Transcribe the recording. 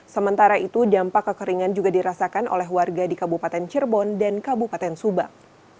sementara itu dampak kekeringan juga dirasakan oleh warga di kabupaten cirebon dan kabupaten subang